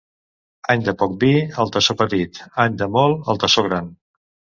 Any de poc vi, el tassó petit; any de molt, el tassó gran.